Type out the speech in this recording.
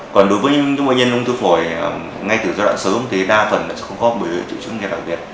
còn đối với những bệnh nhân ung thư phổi ngay từ giai đoạn sớm thì đa phần sẽ không có bởi chữ chứng gì đặc biệt